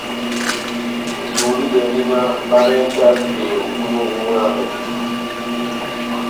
Ihulidɛndi náh barentase mʼpundungu mwámɛ.